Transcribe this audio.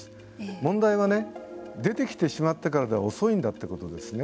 問題はね出てきてしまってからでは遅いんだということですね。